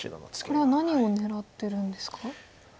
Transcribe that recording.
これは何を狙ってるんですか？